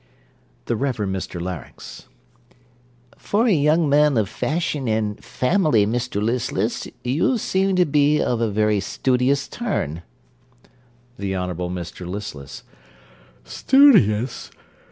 _) THE REVEREND MR LARYNX For a young man of fashion and family, Mr Listless, you seem to be of a very studious turn. THE HONOURABLE MR LISTLESS Studious!